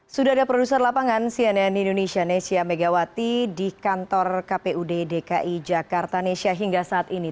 sudah ada produser lapangan cnn indonesia nesya megawati di kantor kpud dki jakarta nesya hingga saat ini